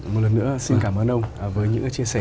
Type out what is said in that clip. một lần nữa xin cảm ơn ông với những chia sẻ